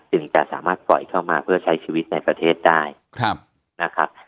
จึงจะสามารถปล่อยเข้ามาเพื่อใช้ชีวิตในประเทศได้นะครับ